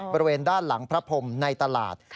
บริเวณด้านหลังพระพรมในตลาด